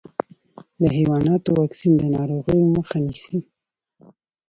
د حیواناتو واکسین د ناروغیو مخه نيسي.